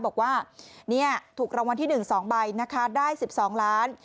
บอกว่าถูกรางวัลที่๑๒ใบนะคะได้๑๒ล้าน